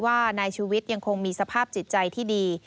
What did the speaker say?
ว่านายชูวิทย์ยังคงมีสภาพจิตใจที่ดี